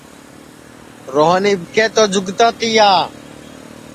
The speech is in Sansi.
روہن اِٻکے تو جُگتا تِیا